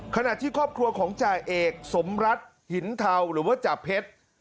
ขณะที่ครอบครัวของจ่าเอกสมรัฐหินเทาหรือว่าจ่าเพชร